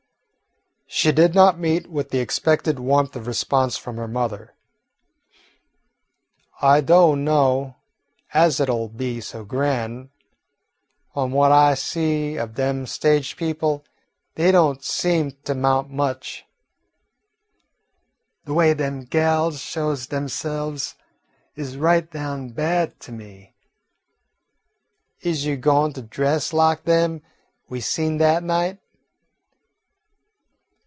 She did not meet with the expected warmth of response from her mother. "I do' know as it 'll be so gran'. F'om what I see of dem stage people dey don't seem to 'mount to much. De way dem gals shows demse'ves is right down bad to me. Is you goin' to dress lak dem we seen dat night?"